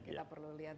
kita perlu lihat